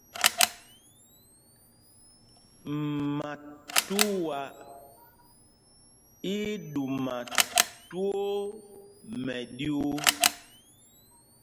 Matuá í í ɗuma twóó mɛɗyuu.